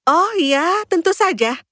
oh ya tentu saja